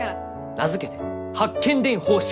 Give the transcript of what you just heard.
名付けて八犬伝方式！